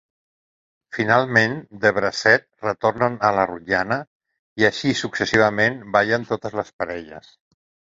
Finalment, de bracet, retornen a la rotllana i així, successivament, ballen totes les parelles.